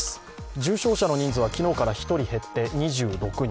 重症者の人数は昨日から１人減って２６人。